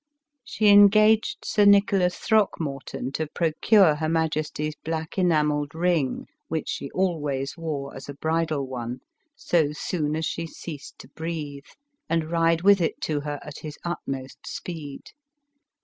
She engaged Sir Nicholas Throckmorton to procure her majesty's black enamelled ring which she always wore as a bridal one, so soon as she ceased to breathe, and ride with it to her at his utmost speed.